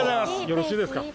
よろしいですか？